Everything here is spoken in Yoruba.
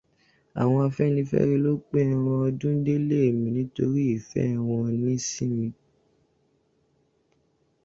Àwọn afẹ́nifẹ́re ló pín ẹran ọdún délé mi nítorí ìfẹ́ wọ́n ní sí mi.